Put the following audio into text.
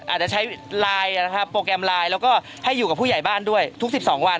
อาจจะใช้ไลน์นะครับโปรแกรมไลน์แล้วก็ให้อยู่กับผู้ใหญ่บ้านด้วยทุก๑๒วัน